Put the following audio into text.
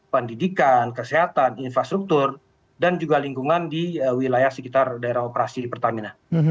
pendidikan kesehatan infrastruktur dan juga lingkungan di wilayah sekitar daerah operasi di pertamina